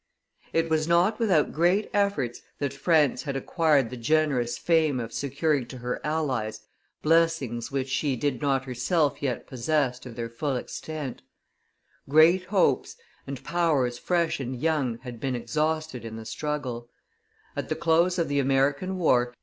It was not without great efforts that France had acquired the generous fame of securing to her allies blessings which she did not herself yet possess to their full extent; great hopes, and powers fresh and young had been exhausted in the struggle: at the close of the American war M.